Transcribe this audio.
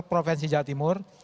provinsi jawa timur